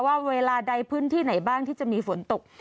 ว่าเวลาใดพื้นที่ไหนบ้างที่จะมีฝนตก